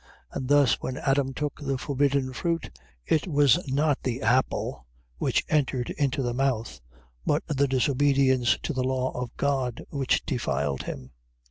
And thus when Adam took the forbidden fruit, it was not the apple, which entered into the mouth, but the disobedience to the law of God which defiled him.